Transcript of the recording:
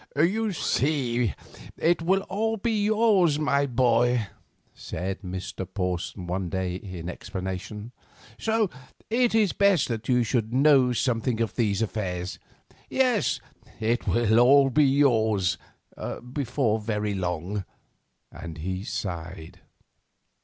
"You see, it will all be yours, my boy," said Mr. Porson one day, in explanation; "so it is best that you should know something of these affairs. Yes, it will all be yours, before very long," and he sighed.